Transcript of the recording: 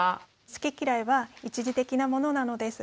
好き嫌いは一時的なものなのです。